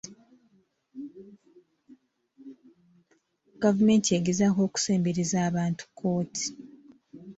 Gavumenti egezaako okusembereza abantu kkooti.